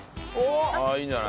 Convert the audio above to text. あっいいんじゃない？